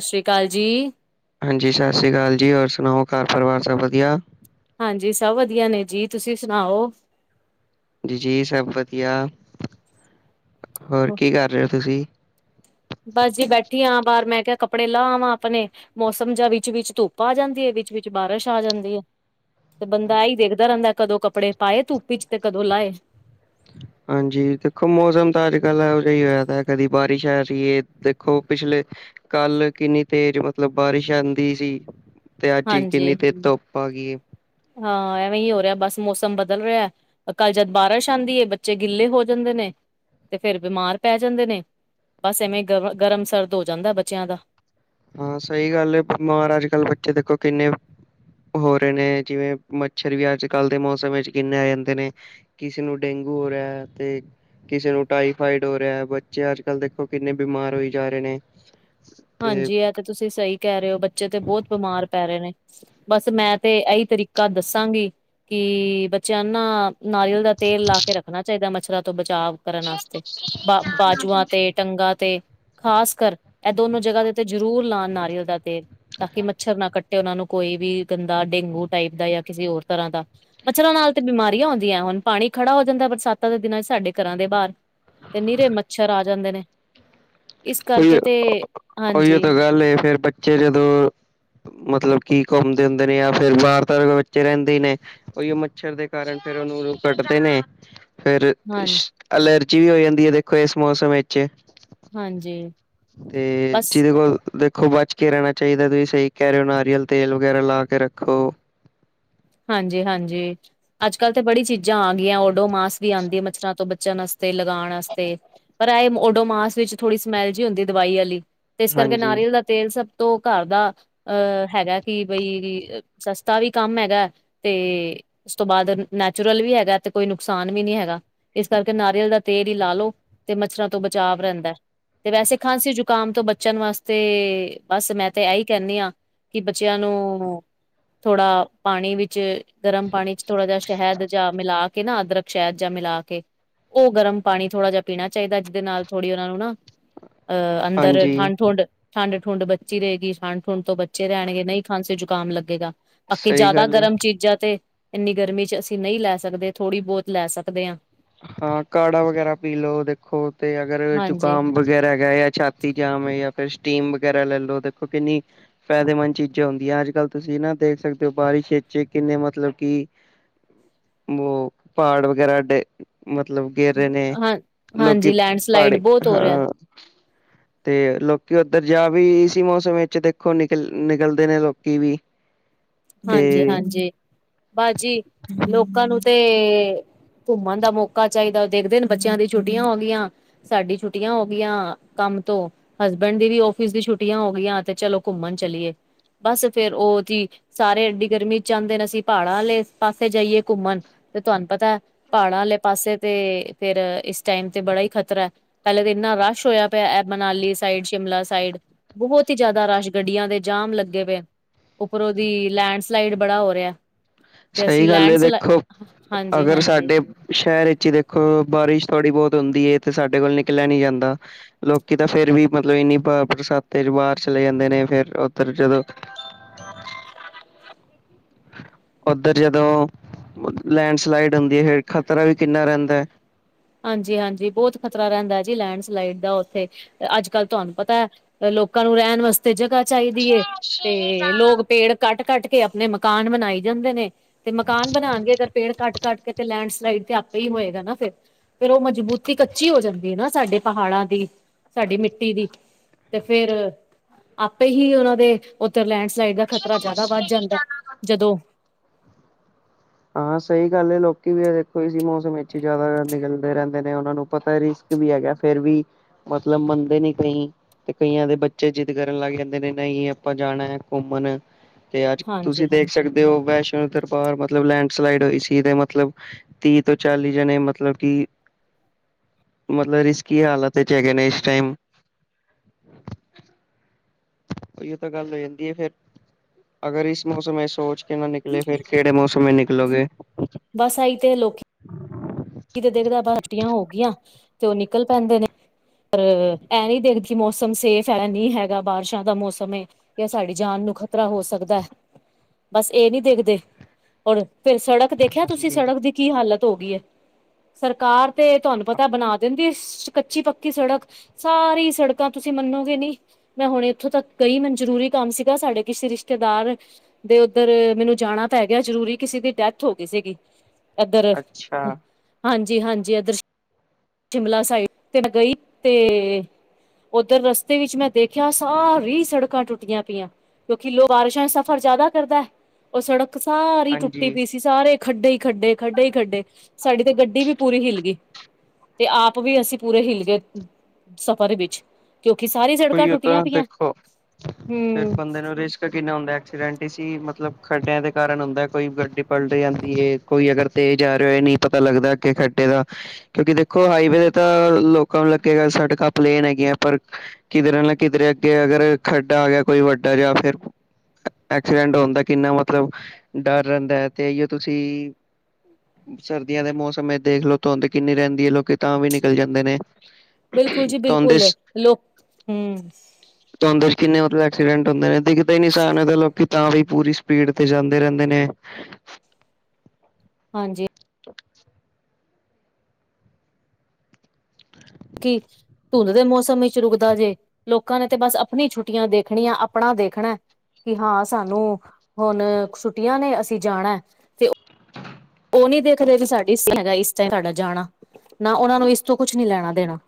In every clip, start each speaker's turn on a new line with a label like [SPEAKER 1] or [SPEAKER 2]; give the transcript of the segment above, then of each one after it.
[SPEAKER 1] ਸਸ ਸੀ ਕਾਲ ਜੀ।
[SPEAKER 2] ਹਾਂਜੀ ਸਤਿ ਸ੍ਰੀ ਅਕਾਲ ਜੀ ਹੋਰ ਸੁਣਾਓ ਘਰ ਪਰਿਵਾਰ ਸਭ ਵਧੀਆ?
[SPEAKER 1] ਹਾਂਜੀ ਸਭ ਵਧੀਆ ਨੇ ਜੀ, ਤੁਸੀਂ ਸੁਣਾਓ?
[SPEAKER 2] ਹਾਂਜੀ ਜੀ ਸਭ ਵਧੀਆ। ਹੋਰ ਕੀ ਕਰ ਰਹੇ ਹੋ ਤੁਸੀਂ?
[SPEAKER 1] ਬਸ ਜੀ ਬੈਠੀ ਆ ਬਾਹਰ ਮੈਂ ਕਿਆ ਕੱਪੜੇ ਲਾਹ ਆਵਾ ਆਪਣੇ। ਮੌਸਮ ਜਹਾ ਵਿੱਚ-ਵਿੱਚ ਧੁੱਪ ਆ ਜਾਂਦੀ ਐ ਵਿੱਚ-ਵਿਚ ਬਾਰਿਸ਼ ਆ ਜਾਂਦੀ ਐ। ਤੇ ਬੰਦਾ ਐਹੀ ਦੇਖਦਾ ਰਹਿੰਦਾ ਕਦੋਂ ਕੱਪੜੇ ਪਾਏ ਧੁੱਪ ਵਿੱਚ ਤੇ ਕਦੋਂ ਲਾਏ।
[SPEAKER 2] ਹਾਂਜੀ ਦੇਖੋ ਮੌਸਮ ਤਾਂ ਅੱਜ ਕੱਲ੍ਹ ਐਹੋ ਜਹਾ ਹੋਇਆ ਪਿਆ ਕਦੀ ਬਾਰਿਸ਼ ਆ ਰਹੀ ਐ ਦੇਖੋ ਪਿਛਲੇ ਕੱਲ ਕਿੰਨੀ ਤੇਜ਼ ਮਤਲਬ ਬਾਰਿਸ਼ ਆਂਦੀ ਸੀ। ਤੇ ਅੱਜ
[SPEAKER 1] ਹਾਂਜੀ।
[SPEAKER 2] ਕਿੰਨੀ ਤੇਜ਼ ਧੁੱਪ ਆ ਗਈ ਐ।
[SPEAKER 1] ਹਾਂ ਐਵੇਂ ਹੀ ਹੋ ਰਿਹਾ ਬਸ ਮੌਸਮ ਬਦਲ ਰਿਹਾ। ਅ ਕੱਲ ਜਦ ਬਾਰਿਸ਼ ਆਂਦੀ ਏ ਬੱਚੇ ਗਿੱਲੇ ਹੋ ਜਾਂਦੇ ਨੇ ਤੇ ਫੇਰ ਬਿਮਾਰ ਪੈ ਜਾਂਦੇ ਨੇ। ਬਸ ਐਵੇਂ ਗਰਮ ਗਰਮ ਸਰਦ ਹੋ ਜਾਂਦਾ ਬੱਚਿਆਂ ਦਾ।
[SPEAKER 2] ਹਾਂ ਸਹੀ ਗੱਲ ਏ ਬਿਮਾਰ ਅੱਜ-ਕੱਲ ਬੱਚੇ ਦੇਖੋ ਕਿੰਨੇ ਹੋ ਰਹੇ ਨੇ ਜਿਵੇਂ ਮੱਛਰ ਵੀ ਅੱਜ-ਕੱਲ ਦੇ ਮੌਸਮ ਵਿੱਚ ਕਿੰਨੇ ਆ ਜਾਂਦੇ ਨੇ। ਕਿਸੇ ਨੂੰ ਡੇਂਗੂ ਹੋ ਰਿਹਾ ਐ ਤੇ ਕਿਸੇ ਨੂੰ ਟਾਈਫਾਈਡ ਹੋ ਰਿਹਾ, ਬੱਚੇ ਅੱਜ ਕੱਲ ਦੇਖੋ ਕਿੰਨੇ ਬਿਮਾਰ ਹੋਈ ਜਾ ਰਹੇ ਨੇ।
[SPEAKER 1] ਹਾਂਜੀ ਐ ਤੇ ਤੁਸੀਂ ਸਹੀ ਕਹਿ ਰਹੇ ਹੋ ਬੱਚੇ ਤੇ ਬਹੁਤ ਬਿਮਾਰ ਪੈ ਰਹੇ ਨੇ। ਬਸ ਮੈਂ ਤੇ ਐਹੀ ਤਰੀਕਾ ਦੱਸਾਂਗੀ ਕੀ ਬੱਚਿਆਂ ਨੂੰ ਨਾ ਨਾਰੀਅਲ ਦਾ ਤੇਲ ਲਾ ਕੇ ਰੱਖਣਾ ਚਾਹੀਦਾ ਮੱਛਰਾਂ ਤੋਂ ਬਚਾਅ ਕਰਨ ਵਾਸਤੇ, ਬਾ ਬਾਜੂਆਂ ਤੇ ਟੰਗਾ ਤੇ ਖ਼ਾਸ ਕਰ ਇਹ ਦੋਨੋ ਜਗ੍ਹਾ ਦੇ ਤੇ ਜ਼ਰੂਰ ਲਾਉਣ ਨਾਰੀਅਲ ਦਾ ਤੇਲ। ਤਾਂ ਕਿ ਮੱਛਰ ਨਾ ਕੱਟੇ ਉਹਨਾਂ ਨੂੰ ਕੋਈ ਵੀ ਗੰਦਾ ਡੇਂਗੂ ਟਾਈਪ ਦਾ ਜਾਂ ਕਿਸੇ ਹੋਰ ਤਰ੍ਹਾਂ ਦਾ। ਮੱਛਰਾਂ ਨਾਲ ਤੇ ਬਿਮਾਰੀਆਂ ਆਉਂਦੀਆਂ, ਹੁਣ ਪਾਣੀ ਖੜਾ ਹੋ ਜਾਂਦਾ ਬਰਸਾਤਾਂ ਦੇ ਦਿਨਾਂ ਚ ਸਾਡੇ ਘਰਾਂ ਦੇ ਬਾਹਰ। ਤੇ ਨਿਰੇ ਮੱਛਰ ਆ ਜਾਂਦੇ ਨੇ, ਇਸ ਕਰਕੇ ਤੇ
[SPEAKER 2] ਓਈਓ
[SPEAKER 1] ਹਾਂਜੀ
[SPEAKER 2] ਤੇ ਗੱਲ ਐ ਫਿਰ ਬੱਚੇ ਜਦੋਂ ਮਤਲਬ ਕੀ ਘੁੰਮਦੇ ਹੁੰਦੇ ਨੇ ਜਾਂ ਫਿਰ ਬਾਹਰ ਤਾਂ ਬੱਚੇ ਰਹਿੰਦੇ ਈ ਨੇ। ਓਈਓ ਮੱਛਰ ਦੇ ਕਾਰਨ ਫਿਰ ਉਹਨਾਂ ਨੂੰ ਕੱਟਦੇ ਨੇ। ਫਿਰ
[SPEAKER 1] ਹਾਂ
[SPEAKER 2] ਛ ਅਲਰਜੀ ਵੀ ਹੋ ਜਾਂਦੀ ਐ ਦੇਖੋ ਇਸ ਮੌਸਮ ਵਿੱਚ।
[SPEAKER 1] ਹਾਂਜੀ।
[SPEAKER 2] ਤੇ
[SPEAKER 1] ਬਸ
[SPEAKER 2] ਜਿਹਦੇ ਕੋਲ ਦੇਖ ਤੋਂ ਬਚ ਕੇ ਰਹਿਣਾ ਚਾਹੀਦਾ ਤੁਸੀਂ ਸਹੀ ਕਹਿ ਰਹੇ ਓ ਨਾਰੀਅਲ ਤੇਲ ਵਗੈਰਾ ਲਾ ਕੇ ਰੱਖੋ।
[SPEAKER 1] ਹਾਂਜੀ ਹਾਂਜੀ। ਅੱਜ-ਕੱਲ ਤਾਂ ਬੜੀ ਚੀਜ਼ਾਂ ਆ ਗਈਆਂ ਓਡੋਮਾਸ ਵੀ ਆਂਦੀ ਐ ਮੱਛਰਾਂ ਤੋਂ ਬਚਣ ਵਾਸਤੇ ਲਗਾਣ ਵਾਸਤੇ। ਪਰ ਐ ਓ ਓਡੋਮਾਸ ਵਿੱਚ ਥੋੜੀ ਸਮੈਲ ਜੀ ਹੁੰਦੀ ਦਵਾਈ ਵਾਲੀ ਤੇ ਇਸ ਕਰਕੇ
[SPEAKER 2] ਹਾਂਜੀ
[SPEAKER 1] ਨਾਰੀਅਲ ਦਾ ਤੇਲ ਸਭ ਤੋਂ ਘਰ ਦਾ ਅਹ ਹੈਗਾ ਕਿ ਬਈ ਸਸਤਾ ਵੀ ਕੰਮ ਹੈਗਾ। ਤੇ ਉਸ ਤੋਂ ਬਾਅਦ ਨੈਚੁਰਲ ਵੀ ਹੈਗਾ ਤੇ ਕੋਈ ਨੁਕਸਾਨ ਵੀ ਨੀ ਹੈਗਾ ਇਸ ਕਰਕੇ ਨਾਰੀਅਲ ਦਾ ਤੇਲ ਈ ਲਾ ਲੋ ਤੇ ਮੱਛਰਾਂ ਤੋਂ ਬਚਾਵ ਰਹਿੰਦਾ। ਤੇ ਵੈਸੇ ਖਾਂਸੀ ਜ਼ੁਕਾਮ ਤੋਂ ਬਚਣ ਵਾਸਤੇ ਬਸ ਮੈਂ ਤੇ ਇਹੀ ਕਹਿੰਨੀ ਆ। ਕੀ ਬੱਚਿਆਂ ਨੂੰ ਥੋੜਾ ਪਾਨੀ ਵੀ ਚ ਗਰਮ ਪਾਨੀ ਚ ਥੋੜਾ ਜਿਹਾ ਸ਼ਹਿਦ ਜੇਆ ਮਿਲਾ ਕਿ ਨਾ ਅਦਰਕ ਸ਼ਹਿਦ ਜਾਂ ਮਿਲਾ ਕੇ ਉਹ ਗਰਮ ਪਾਨੀ ਥੋੜ੍ਹਾ ਜਾ ਪੀਨਾ ਚਾਹੀਦਾ, ਜਿਹਦੇ ਨਾਲ ਥੋੜ੍ਹੀ ਉਹਨਾ ਨੂੰ ਨਾ ਅਹ ਅੰਦਰ
[SPEAKER 2] ਹਾਂਜੀ
[SPEAKER 1] ਠੰਡ-ਠੁੰਡ ਠੰਡ-ਠੁੰਡ ਬਚੀ ਰਹੇਗੀ, ਠੰਡ-ਠੁੰਡ ਤੋਂ ਬਚੇ ਰਹਿਣਗੇ ਨਹੀਂ ਖਾਂਸੀ ਜ਼ੁਕਾਮ ਲੱਗੇਗਾ। ਬਾਕੀ
[SPEAKER 2] ਸਹੀ
[SPEAKER 1] ਜ਼ਿਆਦਾ
[SPEAKER 2] ਗੱਲ ਏ
[SPEAKER 1] ਗਰਮ ਚੀਜ਼ਾ ਤੇ ਇੰਨੀ ਗਰਮੀ ਚ ਅਸੀਂ ਨਹੀਂ ਲੈ ਸਕਦੇ ਥੋੜ੍ਹੀ ਬਹੁਤ ਲੈ ਸਕਦੇ ਆ।
[SPEAKER 2] ਹਾਂ ਕਾੜਾ ਵਗੈਰਾ ਪੀ ਲੋ ਦੇਖੋ ਤੇ ਅਗਰ
[SPEAKER 1] ਹਾਂਜੀ
[SPEAKER 2] ਜ਼ੁਕਾਮ ਵਗੈਰਾ ਹੈਗਾ ਜਾਂ ਛਾ ਤੀ ਜਾਂਮ ਐ ਜਾ ਫਿਰ ਸਟੀਮ ਵਗੈਰਾ ਲੈ ਲੋ ਦੇਖੋ ਕਿੰਨੀ ਫ਼ਾਇਦੇਮੰਦ ਚੀਜ਼ਾਂ ਹੁੰਦੀਆਂ ਅੱਜ-ਕੱਲ ਤੁਸੀਂ ਨਾ ਦੇਖ ਸਕਦੇ ਓ ਬਾਰਿਸ਼ ਵਿੱਚ ਕਿੰਨੇ ਮਤਲਬ ਕੀ ਬੋ ਪਹਾੜ ਵਗੈਰਾ ਡੇ ਮਤਲਬ ਗੇਰ ਰਹੇ ਨੇ
[SPEAKER 1] ਹਾਂ
[SPEAKER 2] ਲੋਕੀ
[SPEAKER 1] ਹਾਂਜੀ ਲੈਂਡਸਲਾਈਡ
[SPEAKER 2] ਪਾਹੜੀ
[SPEAKER 1] ਬਹੁਤ ਹੋ ਰਿਹਾ
[SPEAKER 2] ਹਾਂ ਤੇ ਲੋਕੀ ਉੱਧਰ ਜਾ ਵੀ ਇਸੀ ਮੌਸਮ ਵਿੱਚ ਦੇਖੋ ਨਿਕਲ ਨਿਕਲਦੇ ਨੇ ਲੋਕੀ ਵੀ [inaudible]
[SPEAKER 1] ਹਾਂਜੀ ਹਾਂਜੀ ਬਸਜੀ ਲੋਕਾਂ ਨੂੰ ਤੇ ਘੁੰਮਣ ਦਾ ਮੌਕਾ ਚਾਹੀਦਾ, ਉਹ ਦੇਖਦੇ ਨੇ ਬੱਚਿਆਂ ਦੀ ਛੁੱਟੀਆਂ ਹੋ ਗਈਆਂ ਸਾਡੀ ਛੁੱਟੀਆਂ ਹੋ ਗਈਆਂ ਕੰਮ ਤੋਂ ਹਸਬੈਂਡ ਦੀ ਵੀ ਔਫਿਸ ਦੀ ਛੁੱਟੀਆਂ ਹੋ ਗਈਆਂ, ਤੇ ਚਲੋ ਘੁੰਮਣ ਚਲੀਏ ਬਸ ਫੇਰ ਉਹ ਦੀ ਸਾਰੇ ਏਡੀ ਗਰਮੀ ਚ ਆਂਦੇ ਨੇ, ਅਸੀਂ ਪਹਾੜਾਂ ਆਲੇ ਪਾਸੇ ਜਾਈਏ ਘੁੰਮਣ ਤੇ ਤੁਹਾਨੂੰ ਪਤਾ ਪਹਾੜਾਂ ਆਲੇ ਪਾਸੇ ਤੇ ਫਿਰ ਇਸ ਟਾਈਮ ਤੇ ਬੜਾ ਈ ਖ਼ਤਰਾ ਪਹਿਲੇ ਵੇ ਇਨਾ ਰਸ਼ ਹੋਇਆ ਪੇਆ ਇਹ ਮਨਾਲੀ ਸਾਈਡ ਸ਼ਿਮਲਾ ਸਾਈਡ ਬਹੁਤ ਹੀ ਜਿਆਦਾ ਰਸ਼ ਗੱਡੀਆਂ ਦੇ ਜਾਮ ਲੱਗੇ ਪਏ, ਉੱਪਰੋਂ ਦੀ ਲੈਂਡਸਲਾਈਡ ਬੜਾ ਹੋ ਰਿਹਾ ਤੇ
[SPEAKER 2] ਸਹੀ
[SPEAKER 1] ਅਸੀਂ
[SPEAKER 2] ਗੱਲ ਐ
[SPEAKER 1] ਲੈਂਡ ਸਲਾ
[SPEAKER 2] ਦੇਖੋ
[SPEAKER 1] ਹਾਂਜੀ
[SPEAKER 2] ਅਗਰ
[SPEAKER 1] ਹਾਂਜੀ
[SPEAKER 2] ਸਾਡੇ ਸ਼ਹਿਰ ਇਚ ਈ ਦੇਖੋ ਬਾਰਿਸ਼ ਥੋੜ੍ਹੀ ਬਹੁਤ ਹੁੰਦੀ ਏ ਤੇ ਸਾਡੇ ਕੋਲ ਨਿਕਲਿਆ ਨੀ ਜਾਂਦਾ ਲੋਕੀ ਤਾਂ ਫਿਰ ਵੀ ਮਤਲਬ ਇੰਨੀ ਬਰਸਾਤੇ ਚ ਬਾਹਰ ਚਲੇ ਜਾਂਦੇ ਨੇ ਫਿਰ ਉੱਧਰ ਜਦੋਂ ਓਧਰ ਜਦੋਂ ਲੈਂਡਸਲਾਈਡ ਹੁੰਦੀ ਐ, ਫਿਰ ਖ਼ਤਰਾ ਵੀ ਕਿੰਨਾ ਰਹਿੰਦਾ
[SPEAKER 1] ਹਾਂਜੀਹਾਂਜੀ ਬਹੁਤ ਖ਼ਤਰਾ ਰਹਿੰਦਾ ਜੀ ਲੈਂਡਸਲਾਈਡ ਦਾ ਉੱਥੇ, ਤੇ ਅੱਜ ਕੱਲ ਤੁਹਾਨੂੰ ਪਤਾ ਇਹ ਲੋਕਾਂ ਨੂੰ ਰਹਿਨ ਵਾਸ ਤੇ ਜਗ੍ਹਾ ਚਾਹੀਦੀ ਏ, ਤੇ ਲੋਕ ਪੇੜ ਕੱਟ-ਕੱਟ ਕੇ ਆਪਣੇ ਮਕਾਨ ਬਣਾਈ ਜਾਂਦੇ ਨੇ। ਤੇ ਮਕਾਨ ਬਨਾਨ ਗੇ ਅਗਰ ਪੇੜ ਕੱਟ-ਕੱਟ ਕੇ ਤੇ ਲੈਂਡਸਲਾਈਡ ਤੇ ਆਪੇ ਈ ਹੋਏਗਾ ਨਾ ਫਿਰ, ਫਿਰ ਉਹ ਮਜ਼ਬੂਤੀ ਕੱਚੀ ਹੋ ਜਾਂਦੀ ਏ ਨਾ ਸਾਡੇ ਪਹਾੜਾਂ ਦੀ, ਸਾਡੀ ਮਿੱਟੀ ਦੀ। ਤੇ ਫੇਰ ਆਪੇ ਹੀ ਉਹਨਾਂ ਦੇ ਉੱਧਰ ਲੈਣਡ ਸਲਾਈਡ ਦਾ ਖ਼ਤਰਾ ਜ਼ਿਆਦਾ ਵੱਧ ਜਾਂਦਾ ਐ ਜਦੋਂ
[SPEAKER 2] ਹਾਂ ਸਹੀ ਗੱਲ ਐ ਲੋਕੀ ਵੀ ਦੇਖੋ ਇਸੀ ਮੌਸਮ ਵਿੱਚ ਹੀ ਜ਼ਿਆਦਾ ਨਿਕਲਦੇ ਰਹਿੰਦੇ ਨੇ ਉਹਨਾਂ ਨੂੰ ਪਤਾ ਈ ਨਹੀ ਵੀ ਹੈਗਾ ਫੇਰ ਵੀ ਮਤਲਬ ਮੰਨਦੇ ਨੀ ਕਈ ਤੇ ਕਈਆਂ ਦੇ ਬੱਚੇ ਜਿੱਦ ਕਰਨ ਲੱਗ ਜਾਂਦੇ ਨੇ ਨਹੀਂ ਆਪਾਂ ਜਾਣਾ ਐ ਘੁੰਮਣ ਤੇ ਅੱਜ
[SPEAKER 1] ਹਾਂਜੀ
[SPEAKER 2] ਤੁਸੀਂ
[SPEAKER 1] ਹਾਂਜੀ
[SPEAKER 2] ਦੇਖ ਸਕਦੇ ਔ ਵੈਸ਼ਨੋ ਦਰਬਾਰ ਮ ਮਤਲਬ ਲੈਂਡਸਲਾਈਡ ਹੋਈ ਸੀ ਤੇ ਮਤਲਬ ਤੀਹ ਤੋਂ ਚਾਲੀ ਜਨੇ ਮਤਲਬ ਕਿ ਮਤਲਬ ਰਿਸਕੀ ਹਾਲਤ ਚ ਹੈਗੇ ਨੇ ਇਸ ਟਾਈਮ ਉਹੀਓ ਤਾਂ ਗੱਲ ਹੋ ਜਾਂਦੀ ਐ ਫੇਰ ਅਗਰ ਇਸ ਮੌਸਮ ਇਚ ਸੋਚ ਕੇ ਨਾ ਨਿਕਲੇ ਫਿਰ ਕਿਹੜੇ ਮੌਸਮ ਨਿਕਲੋਗੇ
[SPEAKER 1] ਬਸ ਆਈ ਤੇ ਲੋਕੀ ਤੇ ਦੇਖਦਾਂ ਹੁਟੀਆਂ ਹੋ ਗੀਆਂ ਤੇ ਓ ਨਿਕਲ ਪੈਂਦੇ ਨੇ। ਪਰ ਐ ਨੀ ਦੇਖਦੇ ਕੀ ਮੌਸਮ ਸੇਫ ਹੈਗਾ ਨਈ ਹੈਗਾ ਬਾਰਸ਼ਾਂ ਦਾ ਮੌਸਮ ਏ। ਵੀ ਆ ਸਾਡੀ ਜਾਨ ਨੂੰ ਖ਼ਤਰਾ ਹੋ ਸਕਦਾ, ਬਸ ਏ ਨੀ ਦੇਖਦੇ। ਪਰ ਫੇਰ ਸੜਕ ਦੇਖਿਆ ਤੁਸੀਂ
[SPEAKER 2] ਹਾਂਜੀ
[SPEAKER 1] ਸੜਕ ਦੀ ਕੀ ਹਾਲਤ ਹੋ ਗੀ ਐ। ਸਰਕਾਰ ਤੇ ਤੁਆਨੂੰ ਪਤਾ ਬਣਾ ਦਿੰਦੀ ਕੱਚੀ-ਪੱਕੀ ਸੜਕ। ਸਾਰੀ ਸੜਕਾਂ ਤੁਸੀਂ ਮੰਨੋਗੇ ਨੀ। ਮੈਂ ਹੁਣੇ ਏਥੋਂ ਤੱਕ ਗਈ, ਮੈਨੂੰ ਜਰੂਰੀ ਕੰਮ ਸੀਗਾ ਸਾਡੇ ਕਿਸੇ ਰਿਸ਼ਤੇਦਾਰ ਦੇ ਓਧਰ ਮੈਨੂੰ ਜਾਣਾ ਪੈ ਗਿਆ ਜਰੂਰੀ, ਕਿਸੇ ਦੀ ਡੈਥ ਹੋ ਗੀ ਸੀਗੀ। ਐਧਰ
[SPEAKER 2] ਅੱਛਾ।
[SPEAKER 1] ਹਾਂਜੀ-ਹਾਂਜੀ ਏਧਰ ਸ਼ਿਮਲਾ ਸਾਈਡ ਤੇ ਗਈ ਤੇ ਓਧਰ ਰਸਤੇ ਵਿੱਚ ਮੈਂ ਦੇਖਿਆ, ਸਾਰੀ ਸੜਕਾਂ ਟੁੱਟੀਆਂ ਪਈਆਂ। ਕਿਉਕਿ ਲੋ ਬਾਰਿਸ਼ਾਂ ਸਫ਼ਰ ਜ਼ਾਦਾ ਕਰਦਾ। ਓ ਸੜਕ ਸਾਰੀ ਟੁੱਟੀ
[SPEAKER 2] ਹਾਂਜੀ
[SPEAKER 1] ਪੀ ਸੀ, ਸਾਰੇ ਖੱਡੇ ਈ ਖੱਡੇ, ਖੱਡੇ ਈ ਖੱਡੇ ਸਾਡੀ ਤੇ ਗੱ ਗੱਡੀ ਵੀ ਪੂਰੀ ਹਿੱਲ ਗੀ ਤੇ ਆਪ ਵੀ ਅਸੀਂ ਪੂਰੇ ਹਿੱਲ ਗੇ ਸਫ਼ਰ ਵਿੱਚ। ਕਿਉਂਕਿ ਸਾਰੀ ਸੜਕਾਂ
[SPEAKER 2] ਉਈ
[SPEAKER 1] ਟੁੱਟੀਆਂ
[SPEAKER 2] ਤਾਂ
[SPEAKER 1] ਪੀਆਂ,
[SPEAKER 2] ਦੇਖੋ
[SPEAKER 1] ਹੂੰ।
[SPEAKER 2] ਤੇ ਕਿੰਨਾ ਹੁੰਦਾ ਐਕਸੀਡੈਂਟ ਈ ਸੀ, ਮਤਲਬ ਖੱਡਿਆਂ ਦੇ ਕਾਰਨ ਹੁੰਦਾ ਕੋਈ ਗੱਡੀ ਪਲਟ ਜਾਂਦੀ ਏ। ਕੋਈ ਅਗਰ ਤੇਜ਼ ਆ ਰਿਆ ਓਏ ਨਈ ਪਤਾ ਲੱਗਦਾ ਏਥੇ ਖੱਡੇ ਦਾ। ਕਿਉਂਕਿ ਦੇਖੋ ਹਾਈਵੇ ਤਾਂ ਲੋਕਾਂ ਨੂੰ ਲੱਗੇ ਗਾਂ ਸੜਕਾਂ ਪਲੇਨ ਹੈਗੀਆਂ। ਪਰ ਕਿੱਧਰੇ ਨਾਲ ਕਿੱਧਰੇ ਅੱਗੇ ਅਗਰ ਖੱਡਾ ਆ ਗਿਆ ਕੋਈ ਵੱਡਾ ਜਿਆ ਫੇਰ ਐਕਸੀਡੈਂਟ ਹੋਣ ਦਾ ਕਿੰਨਾ ਮਤਲਬ ਡਰ ਰੈਂਦਾ, ਐ ਤੇ ਏਈਓ ਤੁਸੀਂ ਸਰਦੀਆਂ ਦੇ ਮੌਸਮ ਵਿੱਚ ਦੇਖਲੋ ਧੁੰਦ ਕਿੰਨੀ ਰੈਂਦੀ ਏ, ਲੋਕੀ ਤਾਂ ਵੀ ਨਿਕਲ ਜਾਂਦੇ ਨੇ।
[SPEAKER 1] ਬਿਲਕੁਲ ਜੀ ਬਿਲਕੁਲ ਲੋਕ ਹੂੰ।
[SPEAKER 2] ਧੰਦ ਚ ਕਿੰਨੇ ਮਤਲਬ ਐਕਸੀਡੈਂਟ ਹੁੰਦੇ ਨੇ ਦੇਖਦੇ ਨੀ ਸਾਨ ਤੇ ਲੋਕੀ। ਤਾਂ ਵੀ ਪੂਰੀ ਸਪੀਡ ਤੇ ਜਾਂਦੇ ਰੈਂਦੇ ਨੇ।
[SPEAKER 1] ਹਾਂਜੀ।
[SPEAKER 2] [inaudible]
[SPEAKER 1] ਕਿ ਧੁੰਦ ਦੇ ਮੌਸਮ ਵਿੱਚ ਰੁਕਦਾ ਜੇ। ਲੋਕਾਂ ਨੇ ਤੇ ਬਸ ਆਪਣੀ ਛੁੱਟੀਆਂ ਦੇਖਣੀਆਂ, ਆਪਣਾ ਦੇਖਣਾ। ਕਿ ਹਾਂ ਸਾਨੂੰ ਹੁਣ ਛੁੱਟੀਆਂ ਨੇ ਅਸੀਂ ਜਾਣਾ। ਓ ਨੀ ਦੇਖਦੇ ਵੀ ਸਾਡੀ, ਇਸ ਟਾਈਮ ਸਾਡਾ ਜਾਣਾ, ਨਾ ਓਨਾ ਨੂੰ ਇਸ ਤੋਂ ਕੁਛ ਨੀ ਲੈਣਾ ਦੇਣਾ।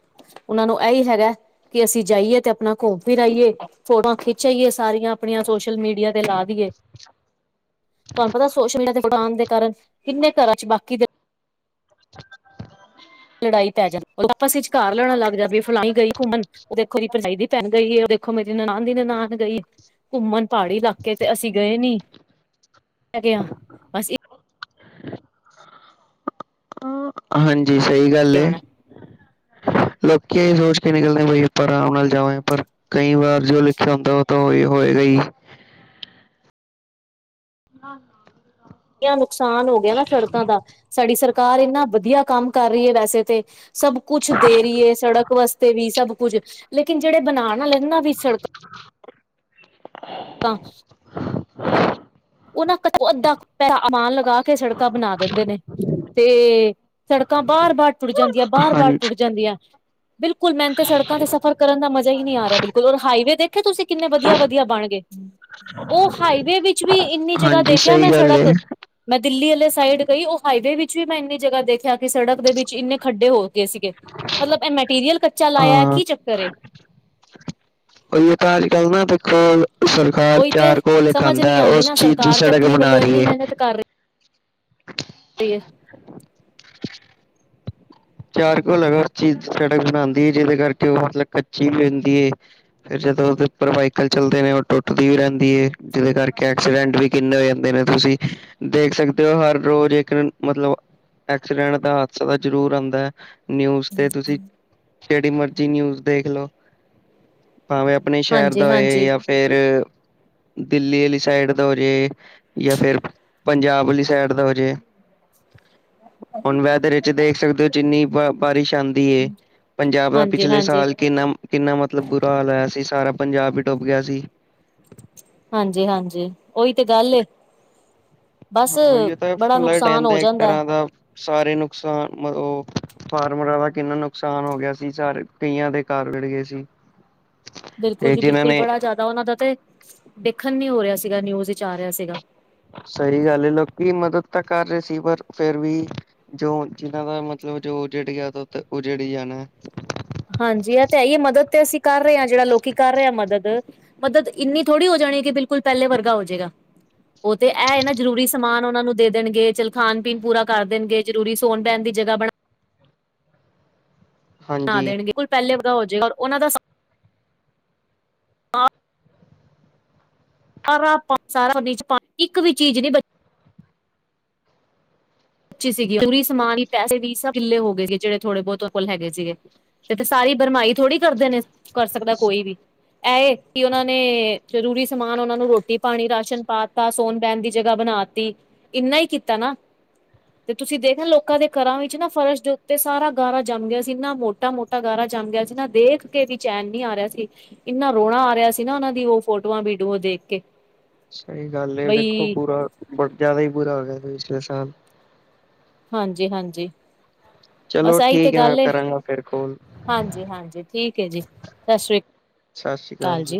[SPEAKER 1] ਓਨਾਂ ਨੂੰ ਐ ਈ ਹੈਗਾ ਕੀ ਅਸੀਂ ਜਾਈਏ ਤੇ ਆਪਣਾ ਘੁੰਮ ਫਿਰ ਆਈਏ। ਫੋਟੋਆਂ ਖਿੱਚ ਆਈਏ ਸਾਰੀਆਂ ਆਪਣੀਆਂ, ਸੋਸ਼ਲ ਮੀਡੀਆ ਤੇ ਲਾ ਦੀਏ। ਤੁਆਨੂੰ ਪਤਾ ਸੋਸ਼ਲ ਮੀਡੀਆ ਤੇ ਫੋਟੋ ਆਣ ਦੇ ਕਾਰਨ, ਕਿੰਨੇ ਘਰਾਂ ਚ ਬਾਕੀ ਦੇ ਲੜਾਈ ਪੈ ਜਾਂਦੀ, ਆਪਸ ਵਿਚ ਘਾਰ ਲੜਣ ਲੱਗ ਜਾ ਗੇ। ਫਲਾਈ ਗਈ ਘੁੰਮਣ। ਓ ਦੇਖੋ ਜੀ ਭਰਜਾਈ ਦੀ ਭੈਣ ਗਈ ਏ। ਓ ਦੇਖੋ ਮੇਰੀ ਨਾਨ ਦੀ ਨਾਨ ਗਈ ਏ। ਘੁੰਮਣ ਪਾੜੀ ਲਾਕੇ 'ਚ, ਅਸੀਂ ਗਏ ਨੀ, ਮੈਂ ਕਿਆ।
[SPEAKER 2] ਹ [unintelligible] ਹਾਂਜੀ, ਸਈ ਗੱਲ ਏ।
[SPEAKER 1] ਜਾਣਾ
[SPEAKER 2] ਲੋਕੀ ਏ ਸੋਚ ਕੇ ਨਿਕਲਦੇ ਬਾਈ ਆਪਾਂ ਰਾਮ ਨਾਲ ਜਾਵਾਂਗੇ, ਪਰ ਕਈ ਵਾਰ ਜੋ ਲਿਖਿਆ ਹੁੰਦਾ ਓ ਤਾਂ ਹੋਈ ਹੋਏਗਾ ਈ। ਆਹੋ।
[SPEAKER 1] ਕੇ ਆ ਨੁਕਸਾਨ ਹੋ ਗਿਆ ਨਾ ਸੜਕਾਂ ਦਾ, ਸਾਡੀ ਸਰਕਾਰ ਏਨਾ ਵਧੀਆ ਕੰਮ ਕਰ ਰਈ ਏ ਵੈਸੇ ਤੇ। ਸਭ ਕੁਛ ਦੇ ਰੀ ਏ ਸੜਕ ਵਾਸਤੇ ਵੀ ਸਭ ਕੁਝ, ਲੇਕਿਨ ਜੜੇ ਬਣਾਨ ਆਲੇ ਨਾ ਵੀ ਸੜ- ਕਾਂ। ਓਹ ਨਾ, ਕੁ ਅੱਧਾ ਪੈਅਮਾਨ ਲਗਾ ਕੇ ਸੜਕਾਂ ਬਨਾ ਦਿੰਦੇ ਨੇ। 'ਤੇ ਸੜਕਾਂ ਬਾਰ-ਬਾਰ ਟੁੱਟ ਜਾਂਦੀਆਂ, ਬਾਰ-ਬਾਰ
[SPEAKER 2] ਹਾਂਜੀ
[SPEAKER 1] ਟੁੱਟ ਜਾਂਦੀਆਂ। ਬਿਲਕੁਲ, ਮੈਨ 'ਤੇ ਸੜਕਾ 'ਤੇ ਸਫਰ ਕਰਨ ਦਾ ਮਜ਼ਾ ਈ ਨੀ ਆ ਰੇਆ, ਬਿਲਕੁਲ, ਹਾਈਵੇ ਦੇਖੇ ਤੁਸੀਂ ਕਿੰਨੇ ਵਦੀਆ-ਵਦੀਆ ਬਨ ਗਏ। ਉਹ ਹਾਈਵੇ ਵਿੱਚ ਵੀ ਇੰਨੀ ਜਗ੍ਹਾ
[SPEAKER 2] ਹਾਂਜੀ,
[SPEAKER 1] ਦੇਖਿਆ
[SPEAKER 2] ਸਹੀ
[SPEAKER 1] ਮੈਂ
[SPEAKER 2] ਗੱਲ
[SPEAKER 1] ਸੜਕ
[SPEAKER 2] ਏ।
[SPEAKER 1] ਮੈਂ ਦਿੱਲੀ ਆਲੀ ਸਾਈਡ ਗਈ, ਉਹ ਹਾਈਵੇ ਵਿੱਚ ਵੀ ਮੈਂ ਇੰਨੀ ਜਗ੍ਹਾ ਦੇਖਿਆ ਕਿ ਸੜਕ ਦੇ ਵਿੱਚ ਇੰਨੇ ਖੱਡੇ ਹੋ ਗਏ ਸੀਗੇ, ਮਤਲਬ ਐਹ ਮੈਟੀਰੀਅਲ ਕੱਚਾ ਲਾਇਆ,
[SPEAKER 2] ਹਾਂ
[SPEAKER 1] ਕੀ ਚੱਕਰ ਏ?
[SPEAKER 2] ਓਈ ਓ ਤਾਂ ਅੱਜ-ਕੱਲ੍ਹ ਨਾ ਦੇਖੋ, ਘਰ
[SPEAKER 1] ਉਹੀ ਤੇ
[SPEAKER 2] ਚਾਰ ਕੋਲੇ
[SPEAKER 1] ਸਮਝ
[SPEAKER 2] ਖਾਂਦੈ,
[SPEAKER 1] ਨਹੀਂ ਆਉਂਦੀ
[SPEAKER 2] ਉਸ
[SPEAKER 1] ਨਾ
[SPEAKER 2] ਚੀਜ਼ ਦੀ
[SPEAKER 1] ਸਰਕਾਰ ਤੇ
[SPEAKER 2] ਸੜਕ
[SPEAKER 1] ਆਪਣੀ
[SPEAKER 2] ਬਨਾ
[SPEAKER 1] ਵੱਲੋਂ
[SPEAKER 2] ਰੀ
[SPEAKER 1] ਇੰਨੀ
[SPEAKER 2] ਏ।
[SPEAKER 1] ਡੀ, ਏ।
[SPEAKER 2] [inaudible] ਚਾਰ ਘੋਲੇ ਕਰ ਚੀਜ਼ ਸੜਕ ਬਨਾਂਦੀ ਏ, ਜਿਦੇ ਕਰਕੇ ਉਹ ਮਤਲਬ ਕੱਚੀ ਵੀ ਹੁੰਦੀ ਏ। ਫਿਰ ਜਦੋਂ ਉਦੇ ਉੱਪਰ ਵਾਈਕਲ ਚੱਲਦੇ ਨੇ, ਉਹ ਟੁੱਟਦੀ ਵੀ ਰੈਂਦੀ ਏ, ਜਿਦੇ ਕਰਕੇ ਐਕਸੀਡੈਂਟ ਵੀ ਕਿੰਨੇ ਹੋ ਜਾਂਦੇ ਨੇ ਤੁਸੀਂ, ਦੇਖ ਸਕਦੇ ਓ, ਹਰ ਰੋਜ਼ ਇੱਕ ਮਤਲਬ ਐਕਸੀਡੈਂਟ ਦਾ ਹਾਦਸਾ ਤਾਂ ਜ਼ਰੂਰ ਆਂਦਾ। ਹੈ, ਨਿਊਜ਼ 'ਤੇ ਤੁਸੀਂ, ਜੇੜੀ ਮਰਜ਼ੀ ਨਿਊਜ਼ ਦੇਖ ਲਓ। ਭਾਵੇਂ ਅਪਨੇ ਸ਼ੈਰ ਦਾ
[SPEAKER 1] ਹਾਂਜੀ
[SPEAKER 2] ਹੋਏ
[SPEAKER 1] ਹਾਂਜੀ
[SPEAKER 2] ਜਾਂ ਫਿਰ ਦਿੱਲੀ ਆਲੀ ਸਾਈਡ ਦਾ ਹੋਜੇ ਯਾ ਫਿਰ ਪੰਜਾਬ ਆਲੀ ਸਾਈਡ ਦਾ ਹੋ ਜੇ। ਹੁਨ ਵੈਦਰ 'ਚ ਦੇਖ ਸਕਦੇ ਓ? ਕਿ ਬਾਰਿਸ਼ ਆਂਦੀ ਏ, ਪੰਜਾਬ ਦਾ
[SPEAKER 1] ਹਾਂਜੀ
[SPEAKER 2] ਪਿਛਲੇ
[SPEAKER 1] ਹਾਂਜੀ
[SPEAKER 2] ਸਾਲ ਕਿੰਨਾ-ਕਿੰਨਾ ਮਤਲਬ ਬੁਰਾ ਹਾਲ ਹੋਇਆ ਸੀ, ਸਾਰਾ ਪੰਜਾਬ ਈ ਡੁੱਬ ਗਿਆ ਸੀ।
[SPEAKER 1] ਹਾਂਜੀ-ਹਾਂਜੀ, ਓਈ 'ਤੇ ਗੱਲ ਏ। ਬਸ,
[SPEAKER 2] ਹਾਂ ਇਹ ਤਾਂ
[SPEAKER 1] ਬੜਾ
[SPEAKER 2] ਫਲੱਡ
[SPEAKER 1] ਨੁਕਸਾਨ
[SPEAKER 2] ਰਹਿੰਦਾ
[SPEAKER 1] ਹੋ
[SPEAKER 2] ਇੱਕ
[SPEAKER 1] ਜਾਂਦੈ।
[SPEAKER 2] ਤਰ੍ਹਾਂ ਦਾ ਸਾਰੇ ਨੁਕਸਾਨ, ਮਤ ਉਹ ਫਾਰਮਰਾਂ ਦਾ ਕਿੰਨਾ ਨੁਕਸਾਨ ਹੋ ਗਿਆ ਸੀ, ਸਾਰੇ, ਕਈਆਂ ਦੇ ਘਰ ਉਜੱੜ ਗਏ ਸੀ।
[SPEAKER 1] ਬਿਲਕੁਲ
[SPEAKER 2] ਤੇ
[SPEAKER 1] ਜੀ,
[SPEAKER 2] ਜਿਨਾਂ
[SPEAKER 1] ਬਿਲਕੁਲ,
[SPEAKER 2] ਨੇ
[SPEAKER 1] ਬੜਾ ਜਾਦਾ ਉਨਾਂ ਦਾ ਤੇ ਦੇਖਨ ਨੀ ਹੋ ਰੇਆ ਸੀਗਾ, ਨਿਊਜ਼ ਵਿੱਚ ਆ ਰੇਆ ਸੀਗਾ।
[SPEAKER 2] ਸਹੀ ਗੱਲ ਏ, ਲੋਕੀ ਮਦਦ ਤਾਂ ਕਰ ਰੇਅ ਸੀ ਪਰ ਫਿਰ ਵੀ ਜੋ ਜਿਨਾਂ ਦਾ ਮਤਲਬ ਜੋ ਉਜੱੜ ਗਿਆ, ਉਹ ਉਜੱੜ ਈ ਜਾਨੈ।
[SPEAKER 1] ਹਾਂਜੀ, ਐ ਤੇ ਹੈ ਈ ਏ, ਮਦਦ ਤੇ ਅਸੀਂ ਕਰ ਰੇਅ ਹਾਂ, ਜੇੜਾ ਲੋਕੀ ਕਰ ਰੇ ਆ ਮਦਦ। ਮਦਦ ਇੰਨੀ ਥੋੜ੍ਹੀ ਹੋ ਜਾਨੀ ਏ ਕਿ ਬਿਲਕੁਲ ਪੈਲੇ ਵਰਗਾ ਹੋ ਜੇਗਾ। ਉਹ 'ਤੇ ਐਹ ਏ ਨਾ, ਜ਼ਰੂਰੀ ਸਮਾਨ ਉਨਾਂ ਨੂੰ ਦੇ ਦੇਨਗੇ, ਚੱਲ ਖਾਨ-ਪੀਨ ਪੂਰਾ ਕਰ ਦੇਨਗੇ, ਜ਼ਰੂਰੀ ਸੋਨ- ਬੈਨ ਦੀ ਜਗ੍ਹਾ ਬਨਾ ਨਾ
[SPEAKER 2] ਹਾਂਜੀ
[SPEAKER 1] ਦੇਨਗੇ, ਪੈਲੇ ਵਰਗਾ ਹੋ ਜੇਗਾ ਓਨਾਂ ਦਾ ਸਾਰਾ ਪਾ, ਸਾਰਾ ਓਦੇ 'ਚ ਪਾ, ਇੱਕ ਵੀ ਚੀਜ਼ ਨੀ ਬਚੀ। ਚੀ ਸੀਗੀ ਪੂਰੀ, ਸਮਾਨ ਈ ਪੈਸੇ ਵੀ ਸਬ ਕਿੱਲੇ ਹੋ ਗਏ ਸੀ, ਜੇੜੇ- ਥੋੜੇ ਬੋਤ ਓਦੇ ਕੋਲ ਹੈਗੇ ਸੀਗੇ। 'ਤੇ ਸਾਰੀ ਭਰਮਾਈ ਥੋੜ੍ਹੀ ਕਰਦੇ ਨੇ, ਕਰ ਸਕਦਾ ਕੋਈ ਵੀ। ਐਹ ਏ, ਕਿ ਉਨਾਂ ਨੇ, ਜਰੂਰੀ ਸਮਾਨ ਉਨਾਂ ਨੂੰ ਰੋਟੀ -ਪਾਨੀ, ਰਾਸ਼ਨ ਪਾਤਾ, ਸੋਨ- ਬੈਨ ਦੀ ਜਗ੍ਹਾ ਬਨਾਤੀ, ਇੰਨਾ ਈ ਕੀਤਾ ਨਾ। 'ਤੇ ਤੁਸੀਂ ਦੇਖਿਐ, ਲੋਕਾਂ ਦੇ ਘਰਾਂ ਵਿੱਚ ਨਾ ਫਰਸ਼ ਦੇ ਉੱਤੇ ਸਾਰਾ ਗਾਰਾ ਜੰਮ ਗਿਆ ਸੀ, ਇੰਨਾ ਮੋਟਾ-ਮੋਟਾ। ਇੰਨਾ ਗਾਰਾ ਜੰਮ ਗਿਆ ਸੀ ਨਾ, ਦੇਖ ਕੇ ਵੀ ਚੈਨ ਨੀ ਆ ਰੇਆ ਸੀ। ਇੰਨਾ ਰੋਣਾ ਆ ਰੇਆ ਸੀ ਨਾ, ਉਨਾਂ ਦੀ ਉਹ ਫੋਟੋਆਂ ਵੀਡੀਓ ਦੇਖ ਕੇ।
[SPEAKER 2] ਸਹੀ ਗੱਲ ਏ ਦੇਖੋ
[SPEAKER 1] ਬਈ
[SPEAKER 2] ਬੁਰਾ, ਬਟ ਜਾਦਾ ਈ ਬੁਰਾ ਹੋ ਗਿਆ ਪਿਛਲੇ ਸਾਲ।
[SPEAKER 1] ਹਾਂਜੀ-ਹਾਂਜੀ।
[SPEAKER 2] ਚਲੋ
[SPEAKER 1] ਬਸ, ਐਈ ਤੇ
[SPEAKER 2] ਠੀਕ ਹੈ ਮੈਂ
[SPEAKER 1] ਗੱਲ ਏ।
[SPEAKER 2] ਕਰਾਂਗਾ ਫਿਰ ਕੋਲ
[SPEAKER 1] ਹਾਂਜੀ-ਹਾਂਜੀ, ਠੀਕ ਏ ਜੀ। ਸਸ਼੍ਰੀ।
[SPEAKER 2] ਸਸ੍ਰੀ ਕਾਲ ਜੀ।